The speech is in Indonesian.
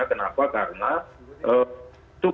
nah ini perlu diantisipasi oleh pemerintah sebetulnya